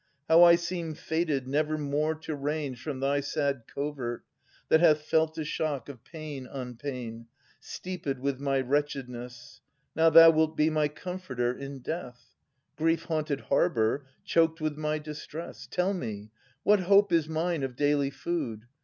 How I seem fated never more to range From thy sad covert, that hath felt the shock Of pain on pain, steeped with my wretchedness. Now thou wilt be my comforter in death! Grief haunted harbour, choked with my distress! Tell me, what hope is mine of daily food.